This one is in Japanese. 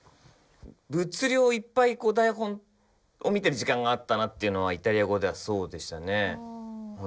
物量をいっぱい台本を見てる時間があったっていうのはイタリア語ではそうでしたね。